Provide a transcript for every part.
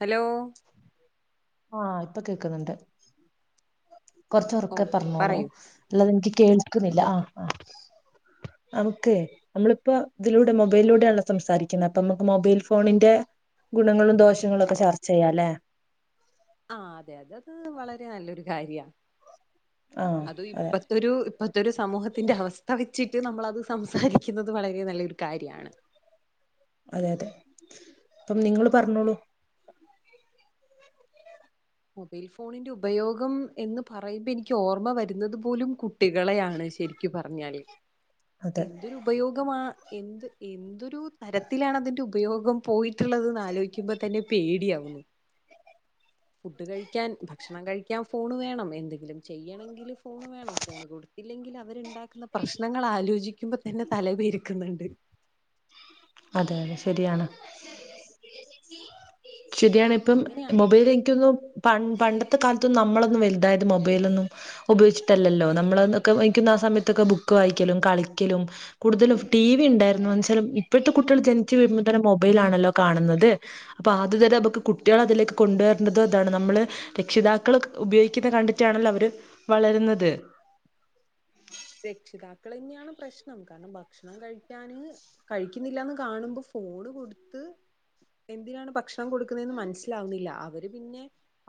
Hello ആഹ് ഇപ്പൊ കേക്ക്ന്ന്ണ്ട് കൊറ്ച് ഒറെക്കെ ഓക്കെ പറഞ്ഞോളൂ പറയൂ അലത് ഇൻക്ക് കേൾക്ക്ന്നില്ല ഓക്കെ ആഹ് ആഹ് നമ്ക്കെ നമ്മളിപ്പോ ഇതിലൂടെ മൊബൈലിലൂടെയാണല്ലോ സംസാരിക്കുന്നെ അപ്പൊ നമുക്ക് മൊബൈൽ ഫോണിന്റെ ഗുണങ്ങളും ദോഷങ്ങളും ഒക്കെ ചർച്ച ചെയ്യാലേ ആഹ് അതെ അതെ അത് വളരെ നല്ലൊരു കാര്യാ ആഹ് അതു അതെ ഇപ്പത്തൊരു ഇപ്പത്തൊരു സമൂഹത്തിന്റെ അവസ്ഥ വെച്ചിട്ട് നമ്മളത് സംസാരിക്കുന്നത് വളരെ നല്ലൊരു കാര്യാണ് അതെ അതെ അപ്പം നിങ്ങള് പറഞ്ഞോളൂ മൊബൈൽ ഫോണിന്റെ ഉപയോഗം എന്ന് പറയുമ്പോ എനിക്ക് ഓർമ വരുന്നത് പോലും കുട്ട ട്ടികളെയാണ് ശരിക്കും പറഞ്ഞാല് അതെ എന്തൊരു ഉപയോഗമാ എന്ത് എന്തൊരു തരത്തിലാണ് അതിന്റെ ഉപയോഗം പോയി ള്ളത് ആലോചിക്കുമ്പോ തന്നെ പേടിയാവുന്നു ഫുഡ് കഴിക്കാൻ ഭക്ഷണം കഴിക്കാൻ ഫോണ് വേണം എന്തെങ്കിലും ചെയ്യണങ്കില് ഫോണ് വേണം ഫോണ് കൊടുത്തില്ലെങ്കിൽ അവരുണ്ടാക്കുന്ന പ്രശ്നങ്ങൾ ആലോചി ജിക്കുമ്പോ തന്നെ തല പെരുക്കുന്നുണ്ട് അതെ അതെ ശരിയാണ് ശരിയാണ് ഇപ്പം എങ്ങനെയാ മൊബൈൽ എനിക്കോന്നും പ പണ്ടത്തെ കാലത്തും നമ്മളൊന്നും വലുതായത് മൊബൈലൊന്നും ഉപയോഗിച്ചിട്ടല്ലല്ലോ നമ്മളൊക്കെ ക്കുന്ന ആഹ് സമയത്തൊക്കെ ബുക്ക് വായിക്കലും കളിക്കലും കൂടുതലും ടി വി ഇണ്ടായിരുന്നു ന്ന് വെച്ചാല് ഇപ്പഴ്ത്തെ കുട്ടികള് ജനിച്ചു വീഴുംപോ തന്നെ മൊബൈലാണല്ലോ കാണുന്നത് അപ്പൊ ആതു തരം നമക്ക് കുട്ടികളേ അതിലേക്ക് കൊണ്ടുവരണ്ടത് ഇതാണ് നമ്മള് രക്ഷിതാക്കൾ ഉപയോഗിക്കുന്ന കണ്ടിട്ടാണല്ലോ അവര് വളരുന്നത് രക്ഷിതാക്കള്ന്നെയാണ് പ്രശ്നം. കാരണം ഭക്ഷണം കഴിക്കാന് കഴിക്കുന്നില്ലന്ന് കാണുമ്പോ ഫോണ് കൊടുത്ത് എന്തിനാണ് ഭക്ഷണം കൊടുക്കുന്നന്ന് മനസ്സിലാവുന്നില്ല. അവര് പിന്നെ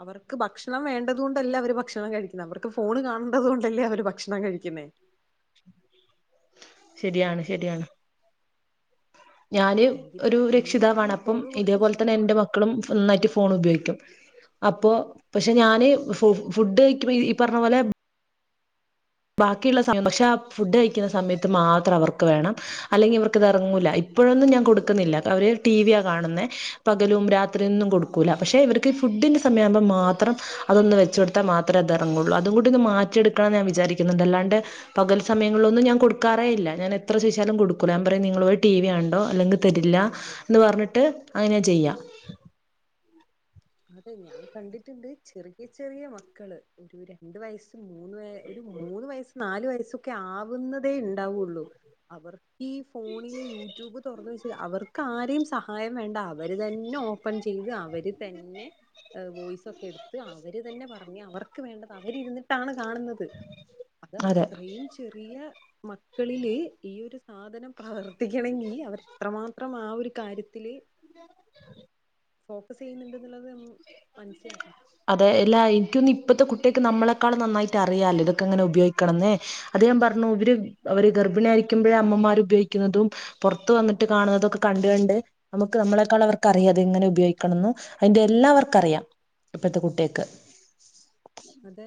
അവർക്ക് ഭക്ഷണം വേണ്ടതു കൊണ്ടല്ല അവര് ഭക്ഷണം കഴിക്കുന്നത്. അവർക്ക് ഫോണ് കാണേണ്ടത് കൊണ്ടല്ലേ അവര് ഭക്ഷണം കഴിക്കുന്നേ? ശരിയാണ്, ശരിയാണ്. ഞാാന് എന്തിനാ ഒരു എന്തിനാണ് രക്ഷിതാവാണ്. ഈ അപ്പം ഫോണ് കൊടുത്ത് ഇതേപോലെ ശീലി തന്നെ എൻ്റെ മക്കളും നന്നായിട്ട് ഫോൺ ഉപയോഗിക്കും. അപ്പൊ പക്ഷെ ഞാന് ഫു ഫുഡ് കഴിക്ക് ഈ പറഞ്ഞ പോലെ ബാക്കിയുള്ള സമയം പക്ഷെ ആ ഫുഡ് കഴിക്കുന്ന സമയത്ത് മാത്രം അവർക്ക് വേണം. അല്ലെങ്കി അവർക്കതെറങ്ങൂല. ഇപ്പോഴൊന്നും ഞാൻ കൊടുക്കുന്നില്ല. അവര് ടിവിയാ കാണുന്നേ. പകലും രാത്രിയൊന്നും കൊടുക്കൂല. പക്ഷെ ഇവര്ക്ക് ഫുഡിന്റെ സമയാമ്പം മാത്രം അതൊന്ന് വെച്ച കൊടുത്താ മാത്രേ അത് എറങ്ങുള്ളൂ. അതും കൂടി ഒന്ന് മാറ്റിയെടുക്കണംന്ന് ഞാൻ വിചാരിക്കു ന്നുണ്ട്. അല്ലാണ്ട് പകൽ സമയങ്ങളിലൊന്നും ഞാൻ കൊടുക്കാറേ ഇല്ല. ഞാൻ എത്ര ചോയിച്ചാലും കൊടുക്കൂല്ല. ഞാൻ പറയും നിങ്ങള് പോയി ടിവി കണ്ടോ അല്ലെങ്കിൽ തരില്ല എന്ന് പറഞ്ഞിട്ട് അങ്ങനെ ചെയ്യാ. അത് ഞാൻ കണ്ടിട്ടുണ്ട്. ചെറിയ ചെറിയ മക്കള് ഒരു രണ്ടു വയസ് മൂന്ന് വ ഒരു മൂന്ന് വയസ് നാല് വയസ്സൊക്കെ ആവു ന്നതേ ഉണ്ടാവുള്ളൂ. അവർക്ക് ഈ ഫോണില് യൂട്യൂബ് തൊറന്നു വെച് [unintelligible] അവർക്ക് ആരെയും സഹായം വേണ്ട. അവര് തന് നെ ഓപ്പൺ ചെയ്ത് അവര് തന്നെ വ ഒക്കെ എടുത്ത് അവര് തന്നെ പറഞ്ഞഞ് അവർക്ക് വേണ്ടത് അവരിരുന്നിട്ടാണ് കാണുന്നത് അത് അതെ അത്രയും ചെറിയ മക്കളില് ഈ ഒരു സാധനം പ്രവർത്തിക്കണമെങ്കിൽ അവര്ത്രമാത്രം ആ ഒരു കാര്യത്തില് ഫോക്കസ് ചെയ്യുന്നുണ്ട് എന്നുള്ളത് നമ്മ- മനസ്സിലാക്കണം അതെ എല്ലാ എനിക്കൊന്ന ഇപ്പഴത്തെ കുട്ടികക്ക് നമ്മളെക്കാൾ നന്നായിട്ട് അറിയല്ലോ ഇതൊക്കെ എങ്ങനെ ഉപയോഗിക്കണംന്നേ അത് ഞാൻ പറഞ്ഞു ഇവര് അവര് ഗർഭിണി ആയിരിക്കുമ്പോഴേ അമ്മമാർ ഉപയോഗിക്കുന്നതും പുറത്ത്ു വന്നിട്ട് കാണുന്നതും ഒക്കെ കണ്ടുകണ്ട് നമുക്ക് നമ്മളെക്കാൾ അവർക്ക് അറിയാംത്െങ്ങനെ ഉപയോഗിക്കണംന്ന് അതിന്റെ എല്ലാവർക്ക അറിയാം ഇപ്പഴത്തെ കുട്ടികക്ക് അതെ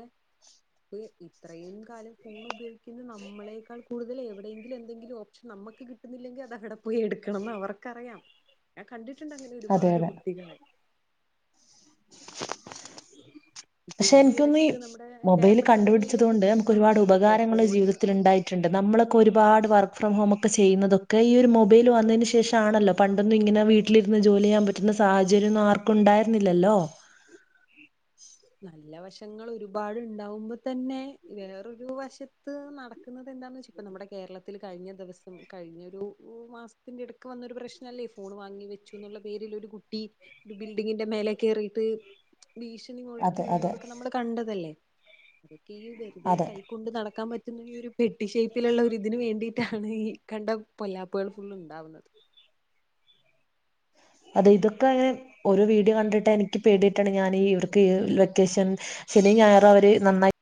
ഇത്രയും കാലം ഫോൺ ഉപയോഗിക്കുന്ന നമ്മളെക്കാൾ കൂടുതൽ എവിടെയെങ്കിലും എന്തെങ്കിലും ഓപ്ഷൻ നമ്മുക്ക് കിട്ടുന്നില്ലെങ്കിൽ അത അവിടെ പോയി എടുക്കണംന്ന് അവർക്കറിയാം ഞാൻ കണ്ടിട്ട് ണ്ട് അങ്ങനെ അതെ ഒരുപാട് അതെ കുട്ടികളെ ഇപ്പൊ പക്ഷെ എനിക്കൊന്ന് ഈ ഇടക്ക് നമ്മുടെ മൊബൈൽ കേരളത്തിൽ തന്നെയല്ലേ കണ്ടുപിടിച്ചത് ഒരു കൊണ്ട് നമുക്ക് പ്രശ്നം ഒരുപാട് വന്നത് ഉപകാരങ്ങള്ൾ ഫോണ് ജീവിതത്തിൽ ഉണ്ടായിട്ടുണ്ട് നമ്മളൊക്കെ ഒരുപാട് വ ഫ്രം ഹോം ഒക്കെ ചെയ്യുന്നതൊക്കെ ഈ ഒരു മൊബൈൽ വന്നതിന് ശേഷം ആണല്ലോ പണ്ടൊന്നും ഇങ്ങനെ വീട്ടിലിരുന്ന് ജോലി ചെയ്യാൻ പറ്റുന്ന സാഹചര്യംൊന്നും ആർക്കും ഉണ്ടായിരുന്നില്ലല്ലോ നല്ല വശങ്ങൾ ഒരുപാട്ണ്ടാവുമ്പോ തന്നെ വേറൊരു വശത്ത് നട ുന്നത് എന്താന്ന് വച്ചാ ഇപ്പ നമ്മുടെ കേരളൽ കഴിഞ്ഞ ദിവസം കഴിഞ്ഞ ഒരു മാസത്തിന്റെ ഇടക്ക് വന്നൊരു പ്രശ്നംല്ലേ ഫോൺ വാങ്ങി വെച്ചു എന്ന പേരിൽ ഒരു കുട്ടി ബിൽഡിങ്ങിന്റെ മേലെ കട്ട് ഭീ അതെ അതെ നിന്നതൊക്കെ നമ്മള് കണ്ടതല്ലേ അ വെറുതെ അതെ കൈ കൊണ്ട് നടക്കാൻ പറ്റും ഒരു പെട്ടി ഷേപ്പിലുള്ള ഒരു ഇതിനന് വേണ്ടിയിട്ടാണ് ഈ കണ്ട പൊല്ലാപ്പുകൾ ഫുള് ഉണ്ടാവുന്നത് അതെ ഇതൊക്കെ ഒരു വീഡിയോ കണ്ടിട്ട് എനിക്ക് പേടിട്ടാണ് ഞാൻീ ഇവർക്ക് ലൊക്കേഷൻ ശനിയും ഞായറും അവര് നന്നായി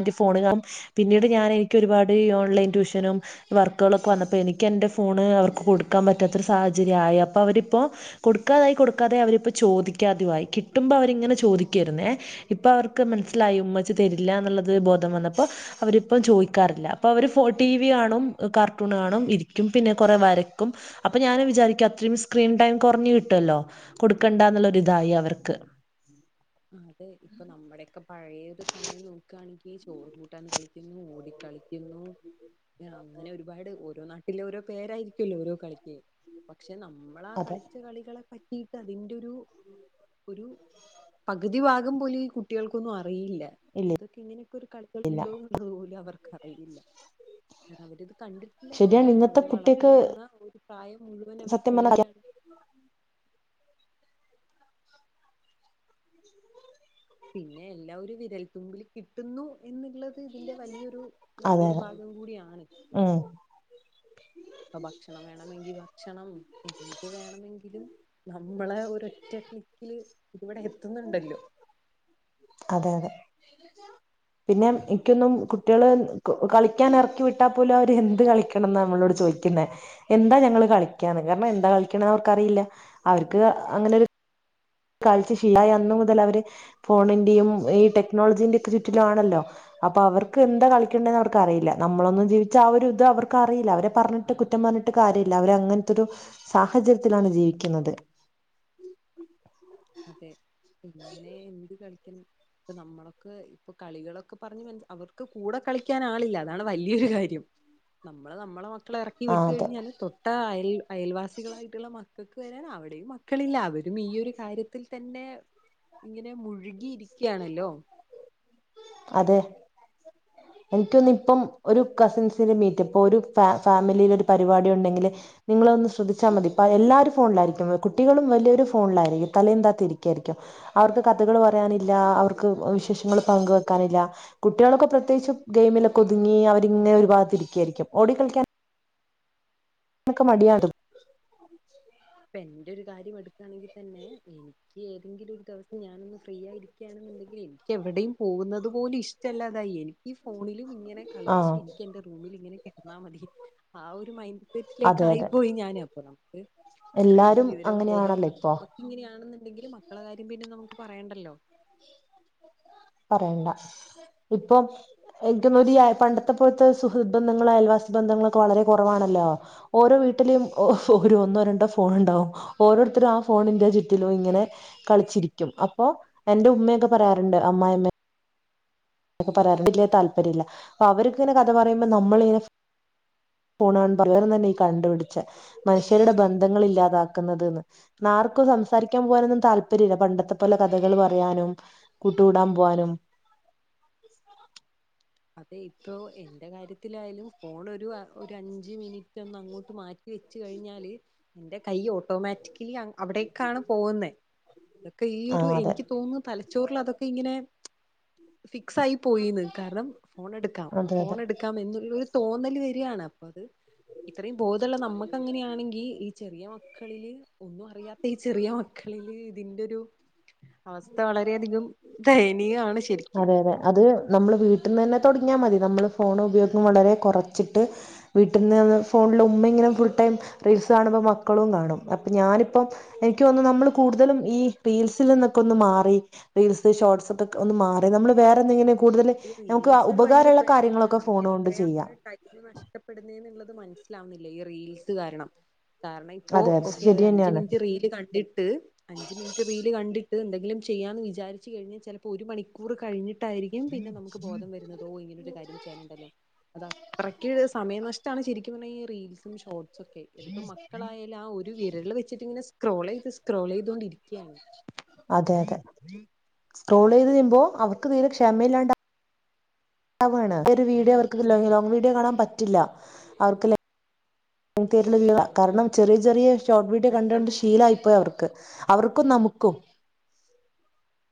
എന്റെ ഫോണ് കാാം പിന്നീട് ഞാൻ എനിക്ക് ഒരുപാട് ഈ ഓൺലൈൻ ട്യൂഷനും വർക്കുകളൊക്കെ വന്നപ്പോ എനിക്ക് എന്റെ ഫോണ് അവർക്ക് കൊടുക്കാൻ പറ്റാത്തൊരു സാഹചര്യമായി അപ്പൊ അവരിപ്പോൊ കൊടുക്കാതായി കൊടുക്കാതായി അവരിപ്പോ ചോദിക്കാതു ആ കിട്ടുമ്പോ അവരിങ്ങനെ ചോദിക്കായിരുന്നേ ഇപ്പൊ അവർക്ക് മനസ്സിലായി ഉമ്മ തരില്ല എന്നുള്ളത് ബോധം വന്നപ്പോ അവരിപ്പം ചോദിക്കാറില്ല അപ്പൊ അവര് ടി വി കാണും കാർട്ടൂൺ കാണും ഇരിക്കും പിന്നെ കൊറ വരക്കും അപ്പൊ ഞാാന് വിചാരിക്കും അത്രയും സ്ക്രീൻ ടൈം കുറഞ്ഞു കിട്ടല്ലോ കൊടുക്കണ്ടന്നുള്ളരിതായി അവർക്ക് അതേ ഇപ്പൊ നമ്മുടെയൊക്കെ പഴഴേ ഒരു സമയം നോക്കുകയാണെങ്കിൽ ചോറ് കൂട്ടാന്ന് കളിക്കുന്നു ഓടിക്കളിക്കുന്നു അങ്ങനെ ഒരുപാട് ഓരോ നാട്ടിലെ ഓരോ പേരായിരിക്കുമല്ലോ ഓരോ കളിക്ക പക്ഷേ പക്ഷെ [unintelligible] നമ്മളാ അതെ കളിച്ച കളികളെ കീയിട്ട് അതിന്റെ ഒരു [inaudible] ഒരു പകുതി ഭാഗം പോലെ ഈ കുട്ടികൾക്കൊന്നുംറിയില്ല അറിയില്ല ഇല്ല ഇതൊക്കെ ഇങ്ങനെയൊക്കെ ഒരു കളികൾ ഇല്ല ഉണ്ടോ എന്നുള്ളത് പോലും അവർക്ക്റിയില്ല കാരണം അവരിത് കണ്ടിട്ടില്ല ശരിയാണ് കാരണം ഇന്നത്തെ അവരെ വളർന്ന കുട്ടികൾക്ക് വരുന്ന ഒരു പ്രായം മുഴുവൻ അവര് സത്യം പറഞ്ഞാ ഫോണിലാണ് പിന്നെ എല്ലാം വിരൽത്തുമ്പിൽ കിട്ടുന്നു എന്നുള്ളത് ഇതിന്റെ വലിയൊരു നല്ലൊരു ഭാഗം കൂടിയാണ് ആ അപ്പൊ ഭക്ഷണം വേണമെങ്കിൽ ഭക്ഷണം എന്ത് വേണമെങ്കിലും നമ്മളെ ഒരറ്റക്ലിക്കില് ഇവിടെ എത്തുന്നുണ്ടല്ലോ അതെ അതെ പിന്നെ എനിക്കൊന്നും കുട്ടികള് കളിക്കാൻ ഇറക്കി വിട്ടാൽ പോലും അവര് എന്ത് കളിക്കണംന്ന് നമ്മളോട് ചോദിക്കുന്നത് എന്താ ഞങ്ങള്ൾ കളികാന്ന് കാരണം എന്താ കളിക്കണന്ന് അവർക്കറിയില്ല അവർക്ക് അങ്ങനെരു കളിച്ച് ശീലമായ അന്നുമുതൽ അവര് ഫോണിന്റെയും ഈ ടെക്നോളജിൻ്റെ ചുറ്റിലും ആണല്ലോ അവർക്ക് എന്താ കളിക്കുന്നതുവർക്ക് അറിയില്ല നമ്മൾ ഒന്നും ജീവിച്ച ആ ഒരു ഇത് അവർക്കറിയില്ല അവരെ പറഞ്ഞിട്ടും കുറ്റം പറഞ്ഞിട്ടും കാര്യമില്ല അവർ അങ്ങനെ ഒരു സാഹചര്യത്തിൽ ജീവിക്കുന്നത് അതെ ഇങ്ങനെ എന്ത്‌ ക ഇപ്പ നമ്മളൊക്കെ ഇപ്പൊ കളികളൊക്കെ പറഞ്ഞഞ് മനസ്സിൽ അവർക്ക് കൂടെ കളിക്കാൻ ആളില്ല അതാണ് വലിയൊരു കാര്യം നമ്മള് നമ്മളെ മള ഇറക്കി ആ വിട്ട അതെ കഴിഞ്ഞാൽ തൊട്ട അയയും അയൽവാസികളായിട്ടുള്ള മക്കൾക്ക് വരാൻ അവിടെയും മക്കളില്ല അവരും ഈ ഒരു കാര്യത്തി ഇത് തന്നെ ഇങ്ങനെ മുഴുകിയിരിക്കുകയാണല്ലോ അതെ എനിക്കൊന്ന് ഇപ്പം ഒരു കസിൻസിന്റെ മീറ്റപ്പോ ഒരു ഫാമിലിയിൽ ഒരു പരിപാടി ഉണ്ടെങ്കില് നിങ്ങളൊന്ന് ശ്രദ്ധിച്ചാൽ മതി ഇപ്പ എല്ലും ഫോണിലായിരിക്കും കുട്ടികളും വലിയൊരു ഫോണിലായിരിക്കും തല എന്താത്തി ഇരിക്കായിരിക്കും അവർക്ക് കഥകൾ പറയാനില്ല അവർക്ക് വിശേഷങ്ങൾ പങ്കെക്ക ാനില്ല കുട്ടികളൊക്കെ പ്രത്യേകിച്ചും ഗെയിമിലൊക്കെ ഒതുങ്ങി അവരിങ്ങനെ ഒരുപാത്തി ഇരിക്കയായിരിക്കും ഓടി കളിക്കാൻ [unintelligible] അതൊക്കെമടിയ ഇപ്പൊ എന്റെ ഒരു കാര്യ എടുക്ക ആണെങ്കിൽ തന്നെ അതയ്‌നി നി ഏതെങ്കിലും ഒരു ദിവസം ഞാനൊന്ന് ഫ്രീ ആയിരിക്കുകയാണെന്നുണ്ടെങ്കിൽ എനിക്ക് എവിടെയും പോകുന്നത് പോലുംഇഷ്ടമല്ലാതായി എനി ഈ ഫോണിലും ഇങ്ങനെ കളിച്ച് ആഹ് ഇരികണ്ടെ റൂമിൽ ഇങ്ങനെ എന്നാ മതി ആ ഒരു മൈൻഡ് വീട്ടിലേക്ക അതെ ആയി അതെ പോയി ഞാൻ അപ്പുറംനമുക്ക് ഇത്രയും എല്ലാരും വിവരവും അങ്ങനെയാണല്ലോ ബോധവുംഉളള ഇപ്പൊ നമുക്ക് ഇങ്ങനെയാണെന്നുണ്ടെങ്കിലിൽ മക്കളെ കാര്യം പിന്നെ നമുക്ക് പറയണ്ടല്ലോ പറയണ്ട ഇപ്പൊം എനിക്കന്ന പണ്ടത്തെ പോലത്തെ സുഹൃബന്ധങ്ങള അയൽവാസി ബന്ധങ്ങളൊക്കെ വളരെ കുറവാണല്ലോ ഓരോ വീട്ടിലേുംഓ ഓരോ ഒന്നോ രണ്ടോ ഫോൺ ഉണ്ടാവും ഓരോരുത്തരും ആ ഫോണിന്റെ ചുറ്റിലും ഇങ്ങനെ കളിച്ചിരിക്കും അപ്പൊ എന്റെ ഉമ്മയൊക്കെ പറയാറുണ്ട് അമ്മായിമ്മ ൊക്കെ പറയാറല്ലേ താല്പര്യം ഇല്ല അപ്പൊ അവർക്കിങ്ങനെ [unintelligible] കഥ പറയുമ്പോ നമ്മളിങ്ങനെ പോണ പറര തന്നെ ഈ കണ്ടുപിടിച്ച മനുഷ്യരുടെ ബന്ധങ്ങൾ ഇല്ലാതാക്കുന്നത്ന്ന് ആർക്കും സംസാരിക്കാൻ പോകാനൊന്നും താല്പര്യ ഇല്ല പണ്ടത്തെ പോലെ കഥകൾ പറയാനും കൂട്ടുകൂടാൻ പോവാനും [unintelligible] അതെ ഇപ്പോ എന്റെ കാര്യത്തിലായാലും ഫോൺ ഒരു ഒരു ഒരു അഞ്ച് മിനിറ്റ് ഒ അങ്ങോട്ട് മാറ്റി വെച്ച കഴിഞ്ഞാല് എന്റെ കൈ ഓട്ടോമാറ്റിക് അവിടേക്കാണ് പോകുന്നത് അതൊക്കെ ഈ ആ ഒരു അതെ എനിക്ക് തോന്നുന്ന തല ചോറൽ അതൊക്കെ ഇങ്ങനെ ക്സ് ആയി പോയിന്ന് കാരണം ഫോൺ എടുക്കാം അതെ അതെ ഫോൺ എടുക്കാം എന്ന ഒരു തോന്നൽ വരിാണ് അപ്പ അത് ഇത്രയും ബോധുള്ള നമുക്ക് അങ്ങനെയാണെങ്കിൽ ഈ ചെറിയ മക്കളില് ഒന്നും അറിയാത്ത ഈ ചെറിയ മക്കളില് ഇതിന്റെ ഒരു അവസ്ഥ വളരെയധികം ദയനീയമാണ് ശരിക്ക് അതെ അതെ അത് നമ്മൾ വീട്ടിൽ നിന്ന് തന്നെ തുടങ്ങിയാൽ മതി നമ്മൾ ഫോൺ ഉപയോഗം വളരെ കുറച്ചിട്ട് വീട്ടിൽ നിന്ന്ന്ന് ഫോണിൽ ഉമ്മെങ്ങനും ഫുൾ ടൈം റീൽസ് കാണുമ്പോൾ മക്കളും കാണും അപ്പൾ ഞാനിപ്പം എനിക്ക്ന്ന് നമ്മൾ കൂടുതലും ഈ റീൽസിൽ നിന്നൊക്കെ ഒന്ന് മാറി റീൽസ് ഷോർട്്സ് ഒക്കെ ഒന്ന് മാറി നമ്മൾവേറെന്തെങ്കിലെ ഈ റീൽസ് ഒരു വലിയ പ്രശ്നമാണ് നമുക്ക് ഫോൺ കൊണ്ട് ചെയ്യാം എത്രയാണ് കൈു നഷ്ടപ്പെടുന്നത് എന്നുള്ളത് മനസ്ില ല ല്ല ഈ റീൽസ് കാരണം കാരണം ഇപ്പോ അതെ അതെ ഓക്കെ ശരി ഒരു അഞ്ച തന്നെയാണ് മിനിറ്റ് റീൽ കണ്ടിട്ട് അഞ്ച മിനിറ്റ് റീൽ കണ്ടിട്ട് ഇത് എന്തെങ്കിലും ചെയ്യാന്ന് വിചാരിച്ചച്ച് കഴിഞ്ഞാൽ ചിലപ്പോ ഒരു മണിക്കൂർ കഴിഞ്ഞിട്ടായിരിക്കും പിന്നെ നമുക്ക് ബോധം വരുന്നതോ ഇങ്ങനൊ ഒരു കാര്യം ചെയ്യാനുണ്ടല്ലോ അത് അത്രയ്ക്ക് സമയ നഷ്ടമാണ് ശരിക്കും പറഞ്ഞ റൽസും ഷോർട്ടസ് ഓക്കെ ഇതിപ്പോ മക്കളായാലും ആ ഒരു വിരൾ വെച്ചിട്ട് ഇങ്ങനെ സ്ക്രോൾ ചെയത് സ്ക്രോൾ ചെയ്തൊണ്ടിരിക്കുകയാണ് സ്ട്രോൾ ചെയ്ത് നിപോ അവർക്ക് തീരെ ക്ഷമ ഇല്ലാണ്ട ഒരു വീഡിയോ അവർക്ക് ലോ വീഡിയോ കാണാൻ പറ്റില്ല അവർക്ക് വീ കാരണം ചെറിയ ചെറിയ ചോട്ട്ബീട്ട പെട്ടെന്ന് കണ്ടണ്ട് ശീലയിപ്പോയ അവർക്ക് അവർക്കും നമുക്കും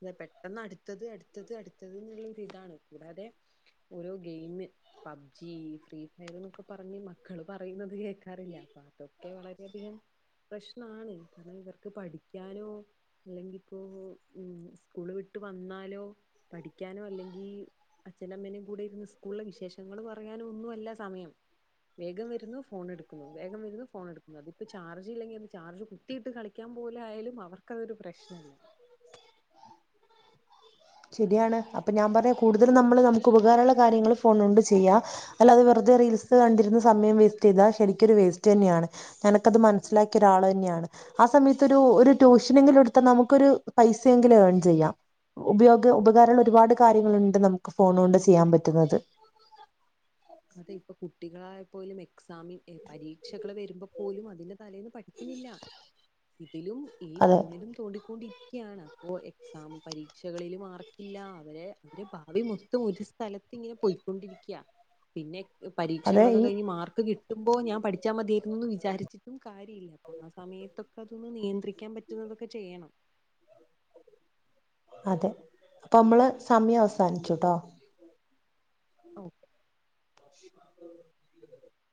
അ പെട്ടെന്ന് അടുത്തത് അടുത്തത് അടുത്തത് എന്നുള്ളൊ ഇതാണ് കൂടാതെ ഓരോ ഗെയിം പബ്ജി ഫ്രീ ഫയർന്നൊക്കെ പറഞ്ഞ് മക്കള് പറയുന്നത് കേക്കാറില്ല അപ്പൊ അതൊക്കെ വളരെയധികം പ്രശ്നമാണ് കാരണം ഇവർക്ക് പഠിക്കാനോ അല്ലെങ്കി ഇപ്പോൊ ഉ സ്കൂള് വിട്ട് വന്നാലോ പഠിക്കാനോ അല്ലെങ്കിൽ അച്ഛനമ്മേനും കൂടെ ഇരുന്ന് സ്കൂളിലെ വിശേഷങ്ങൾ പറയാനോ ഒന്നും അല്ല സമയം വേഗം വരുന്നു ഫോൺ എടുക്കുന്നു വേഗം വരുന്നു ഫോണ എക്കുന്നത് അപ്പോൾ ചാർജ്ില്ലല്ലെിൽ അ ചാർജ് കുട്ടയിട്ട് കളിക്കാ പോലൊയാലും അവർ അതൊരു പ്രശ്നല്ല ശരിയാണ് അപ്പൊ ഞാൻ പറയാ കൂടുതലും നമ്മള് നമുക്ക് ഉപകാരമുള്ള കാര്യങ്ങൾ ഫോണ കൊണ്ട് ചെയ്യാം അല്ലാതെ വെറുതെ റീൽസ് കണ്ടിരുന്ന സമയം വേസ്റ്റ് ചെയ്താ ശരിക്കൊരു വേസ്റ്റ് തന്നെയാണ് ഞനക്കത് മനസ്സിലാക്കിയ ഒരാൾ തന്നെയാണ് ആ സമയത്ത് ഒരു എടുാൽ നമു പൈസയങ്കിലും ൺ ചെയ്യാം ഉപ ഉപകാര ഒരുപാട് കാര്യങ്ങളുണ്ട് നമുക്ക് ഫോൺ കൊണ്ട് ചെയ്യാൻ പറ്റുന്നത് അതെ ഇപ്പൊ കുട്ടികളായ പോലും എക്സാമിൻ എ പരീക്ഷക വരുമ്പോ പോലും അതിന് തലേന്ന് പഠിക്കുന്നില്ല ഇതും ഈ അതെ ഫോണിലും തോണ്ടിക്കൊണ്ടിരി ലാണ് അപ്പോ എക്സാം പരീക്ഷകളില് മാർക്കില്ല അവരെ അവരെ ഭാവി മൊത്തം ഒരു സ്ഥലത്തിങ്ങനെ പോയിക്കൊണ്ടിരിക്കയാ പിന്നെ അതെ പരീക്ഷകളൊക്കെ ഈ കഴിഞ്ഞ് മാർക്ക് കിട്ടുമ്പോൾ ഞാൻ പഠിച്ചാൽ മതിയായിരുന്നു എന്ന് വിചാരിച്ചിട്ടും കാര്യമില്ല അപ്പ ആ സമയത്തൊക്കെ അതൊന്ന് നിയന്ത്രിക്കാൻ പറ്റുന്നതൊക്കെ ചെയ്യണം. അതെ അപ്പൊ നമ്മള് സമയം അവസാനിച്ചുട്ടോ ഓക്കെ [unintelligible]